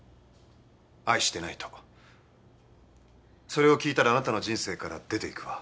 「それを聞いたらあなたの人生から出ていくわ」